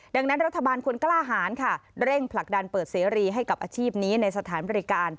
ดังนั้นรัฐบาลควรกล้าหารค่ะเร่งผลักดันเปิดเสรีให้กับอาชีพนี้ในสถานบริการ